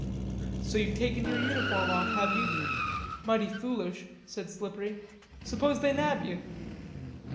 "So you've taken your uniform off, have you? Mighty foolish," said Slippery. "Suppose they nab you?"